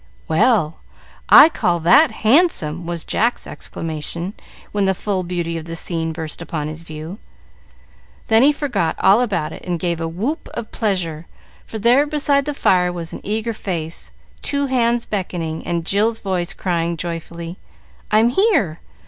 "Well, I call that handsome!" was Jack's exclamation, when the full beauty of the scene burst upon his view. Then he forgot all about it and gave a whoop of pleasure, for there beside the fire was an eager face, two hands beckoning, and Jill's voice crying, joyfully, "I'm here!